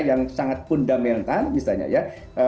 yang sangat fundamental misalnya ya